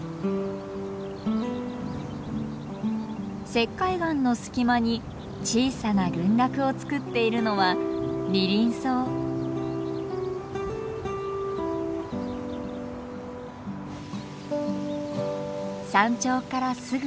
石灰岩の隙間に小さな群落をつくっているのは山頂からすぐ下。